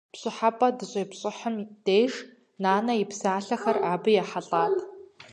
ПщӀыхьэпӀэ дыщепщӀыхьым деж, нанэ и псалъэхэр абы ехьэлӀат.